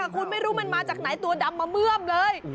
คุณไม่รู้มันมาจากไหนตัวดำมาเมื่อมเลย